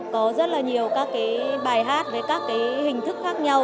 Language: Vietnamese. có rất là nhiều các cái bài hát với các cái hình thức khác nhau